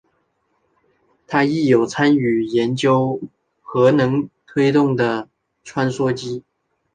他亦有参与研究核能推动的穿梭机。